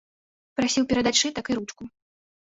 Прасіў перадаць сшытак і ручку.